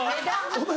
お前